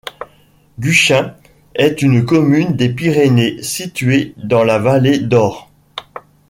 Guchen est une commune des Pyrénées située dans la vallée d'Aure.